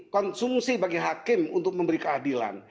konsumsi bagi hakim untuk memberi keadilan